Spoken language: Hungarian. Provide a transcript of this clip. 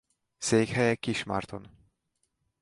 Székhelye Kismarton.